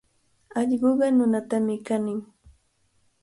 Allquqa nunatami kanin.